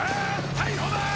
逮捕だー！